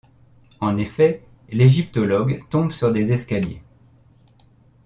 En effet, l'égyptologue tombe sur des escaliers.